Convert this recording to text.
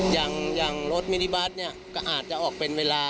อย่างรถมิลลิบัตรอาจออกเป็นเวลา